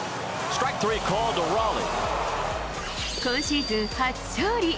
今シーズン初勝利。